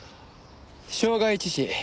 傷害致死。